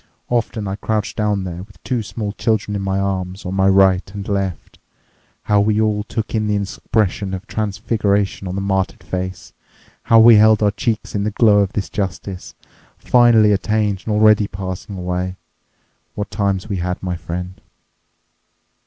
Often I crouched down there with two small children in my arms, on my right and left. How we all took in the expression of transfiguration on the martyred face! How we held our cheeks in the glow of this justice, finally attained and already passing away! What times we had, my friend!"